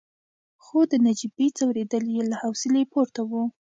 خو د نجيبې ځورېدل يې له حوصلې پورته وو.